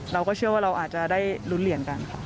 เราก็เชื่อว่าเราอาจจะได้ลุ้นเหรียญกันค่ะ